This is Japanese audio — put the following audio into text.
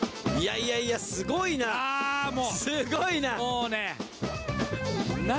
いやいやすごいなあもうすごいなもうねえ何？